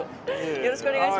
よろしくお願いします。